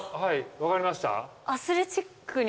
分かりました？